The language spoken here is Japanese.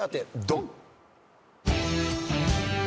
ドン！